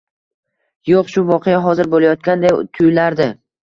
Yo‘q, shu voqea hozir bo‘layotganday tuyulardi.